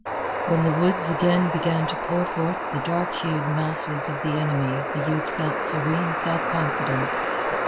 When the woods again began to pour forth the dark hued masses of the enemy the youth felt serene self confidence.